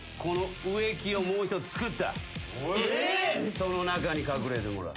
その中に隠れてもらう。